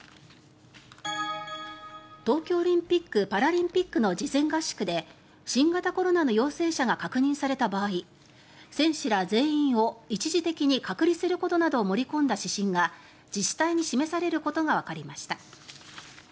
東京オリンピック・パラリンピックの事前合宿で新型コロナの陽性者が確認された場合選手ら全員を一時的に隔離することなどを盛り込んだ指針が自治体に示されることがわかりました。